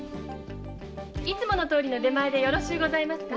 いつもどおりの出前でよろしゅうございますか？